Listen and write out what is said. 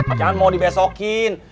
eh jangan mau dibesokin